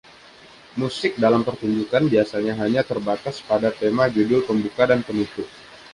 Musik dalam pertunjukan biasanya hanya terbatas pada tema judul pembuka dan penutup.